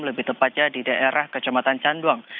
lebih tepatnya di daerah kecamatan candung